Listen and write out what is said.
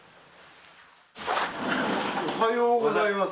おはようございます。